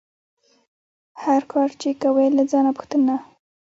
هر کار چې کوې له ځانه پوښته